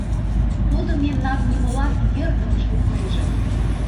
Тудо мемнам нимолан йӧрдымыш лукнеже!